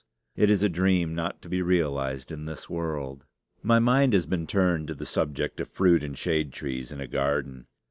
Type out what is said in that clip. it is a dream not to be realized in this world. My mind has been turned to the subject of fruit and shade trees in a garden.